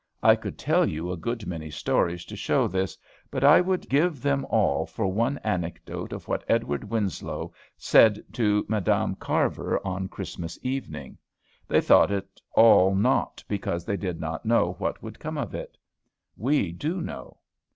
I could tell you a good many stories to show this, but I would give them all for one anecdote of what Edward Winslow said to Madam Carver on Christmas evening. They thought it all naught because they did not know what would come of it. We do know.